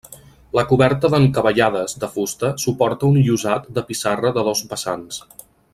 La coberta d'encavallades de fusta suporta un llosat de pissarra de dos vessants.